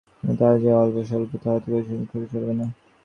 কিন্তু তাঁহার যে অল্প সম্বল তাহাতে কলিকাতার খরচ চলিবে না।